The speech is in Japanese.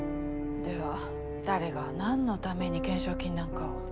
では誰が何のために懸賞金なんかを？